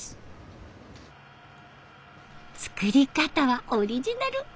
作り方はオリジナル！